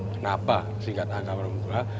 kenapa sifat angkara murka